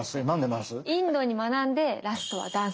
インドに学んでラストはダンス！